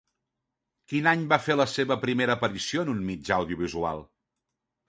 Quin any va fer la seva primera aparició en un mitjà audiovisual?